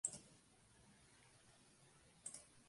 El actor Lewis Wilson es su padre.